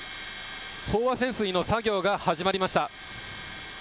飽和潜水の作業が始まりました。